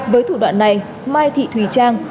với thủ đoạn này mai thị thùy trang